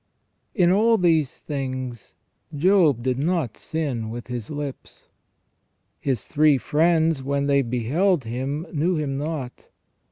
In all these things Job did not sin with his lips." His three friends, when they beheld him, knew him not.